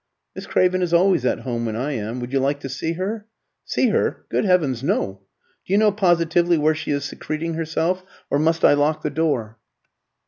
"Miss Craven is always at home when I am. Would you like to see her?" "See her? Good heavens, no! Do you know positively where she is secreting herself, or must I lock the door?"